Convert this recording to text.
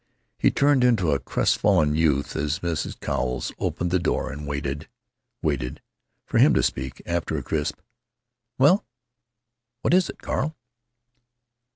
He turned into a crestfallen youth as Mrs. Cowles opened the door and waited—waited!—for him to speak, after a crisp: "Well? What is it, Carl?"